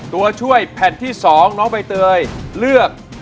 ตัวช่วยแผ่นที่๒น้องใบเตยเลือก